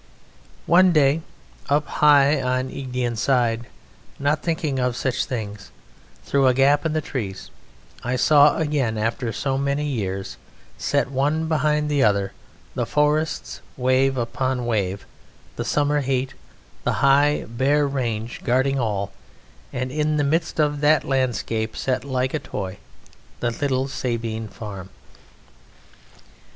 One day, up high on Egdean Side, not thinking of such things, through a gap in the trees I saw again after so many years, set one behind the other, the forests wave upon wave, the summer heat, the high, bare range guarding all, and in the midst of that landscape, set like a toy, the little Sabine Farm.